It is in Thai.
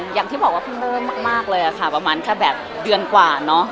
อย่างที่บอกว่าเพิ่งเริ่มมากเลยค่ะประมาณแค่แบบเดือนกว่าเนอะ